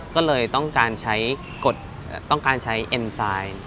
ก็เลยต้องการใช้กฎต้องการใช้เอ็นไซด์